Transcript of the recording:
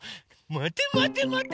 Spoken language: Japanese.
まてまてまて。